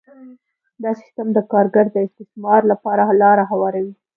دا سیستم د کارګر د استثمار لپاره لاره هواروي